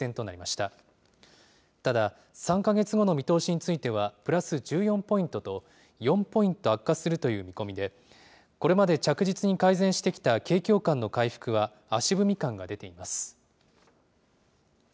ただ、３か月後の見通しについては、プラス１４ポイントと、４ポイント悪化するという見込みで、これまで着実に改善してきた景況感の回復は、足踏み感が出ています。